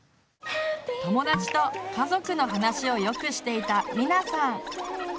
友だちと家族の話をよくしていたミナさん。